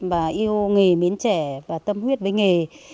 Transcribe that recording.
và yêu nghề miến trẻ và tâm huyết với nghề